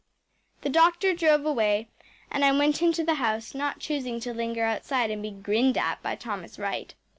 The doctor drove away, and I went into the house, not choosing to linger outside and be grinned at by Thomas Wright.